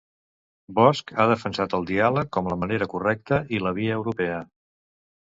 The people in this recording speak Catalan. Bosch ha defensat el diàleg com la "manera correcta" i "la via europea".